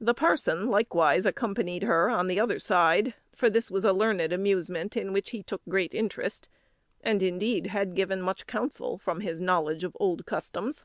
The parson, likewise, accompanied her on the other side; for this was a learned amusement in which he took great interest; and, indeed, had given much counsel, from his knowledge of old customs.